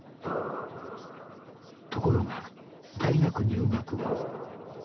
ところが大学入学後。